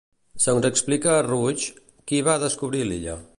Segons explica Ruysch, qui va descobrir l'illa?